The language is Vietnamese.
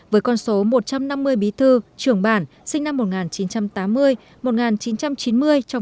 với con số một trăm năm mươi bí thư trưởng bản sinh năm một nghìn chín trăm tám mươi một nghìn chín trăm chín mươi trong vùng đồng bào dân tộc thiểu số ở thời điểm hiện tại